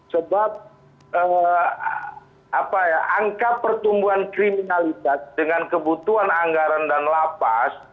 sebab angka pertumbuhan kriminalitas dengan kebutuhan anggaran dan lapas